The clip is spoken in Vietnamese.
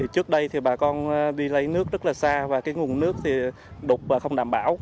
trước đây thì bà con đi lấy nước rất là xa và cái nguồn nước thì đục không đảm bảo